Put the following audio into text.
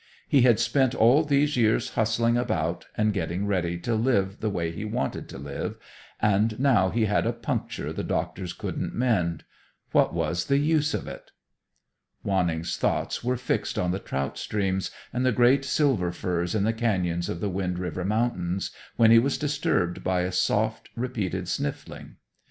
He had spent all these years hustling about and getting ready to live the way he wanted to live, and now he had a puncture the doctors couldn't mend. What was the use of it? Wanning's thoughts were fixed on the trout streams and the great silver firs in the canyons of the Wind River Mountains, when he was disturbed by a soft, repeated sniffling.